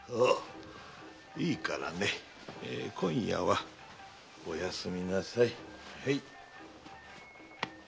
いいからね今夜はお休みなさい。